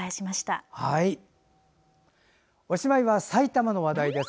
おしまいは埼玉の話題です。